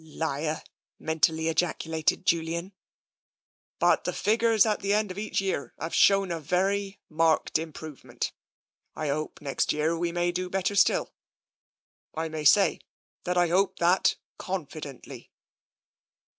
("Liar!" mentally ejaculated Julian.) " But the figures at the end of each year have shown a very marked improvement. I hope next year we may do better still. I may say, that I hope so confidently."